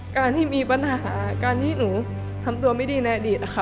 การที่มีปัญหาการที่หนูทำตัวไม่ดีในอดีตนะคะ